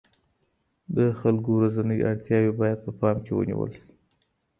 د خلګو ورځنۍ اړتیاوې باید په پام کي ونیول سي.